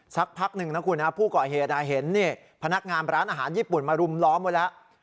สักพักหนึ่งนะคุณผู้ก่อเหตุเห็นพนักงานร้านอาหารญี่ปุ่นมารุมล้อมไว้แล้ว